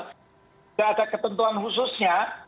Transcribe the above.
tidak ada ketentuan khususnya